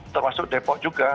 termasuk depok juga